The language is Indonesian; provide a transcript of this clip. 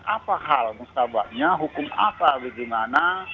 apa hal mustabaknya hukum apa bagaimana